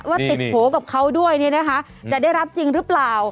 ว่าติดโผล่กับเขาด้วยเนี่ยนะคะจะได้รับจริงหรือเปล่า